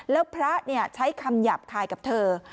แล้วพระเนี่ยใช้คำหยับถ่ายกับเธอ